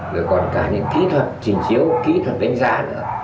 rồi còn cả những kỹ thuật trình chiếu kỹ thuật đánh giá nữa